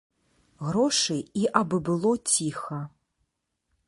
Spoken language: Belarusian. Грошы і абы было ціха.